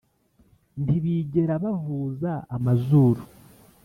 ntibigera bavuza amazuru,